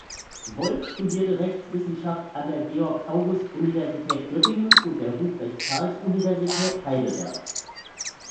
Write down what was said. Wolf studierte Rechtswissenschaft an der Georg-August-Universität Göttingen und der Ruprecht-Karls-Universität Heidelberg.